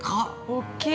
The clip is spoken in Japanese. ◆大きい。